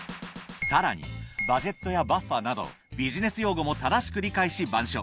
さらにバジェットやバッファなどビジネス用語も正しく理解し板書